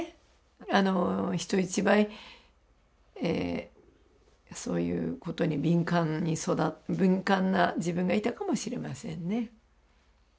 あの人一倍そういうことに敏感な自分がいたかもしれませんね。